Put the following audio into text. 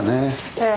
ええ。